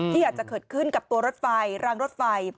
อาจจะเกิดขึ้นกับตัวรถไฟรางรถไฟ